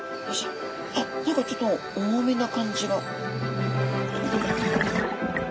何かちょっと重めな感じが。